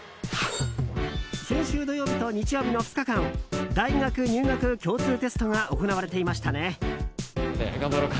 先週土曜日と日曜日の２日間大学入学共通テストが行われていましたね。